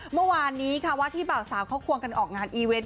เมื่อวานนี้ค่ะว่าที่เบาสาวเขาควงกันออกงานอีเวนต์